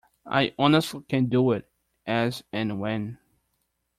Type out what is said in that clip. I honestly can do it as and when.